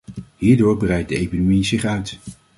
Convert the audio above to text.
Hierdoor breidt de epidemie zich uit.